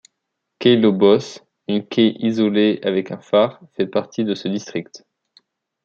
Cay Lobos, une caye isolée avec un phare, fait partie de ce district.